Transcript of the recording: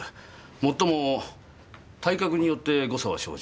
もっとも体格によって誤差は生じ